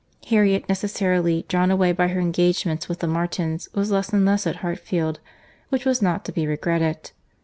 Harriet, necessarily drawn away by her engagements with the Martins, was less and less at Hartfield; which was not to be regretted.